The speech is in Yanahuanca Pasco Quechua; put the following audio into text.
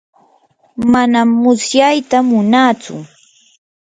manam mutsyata munaatsu.